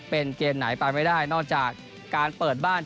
เป็นเกมไหนไปไม่ได้นอกจากการเปิดบ้าน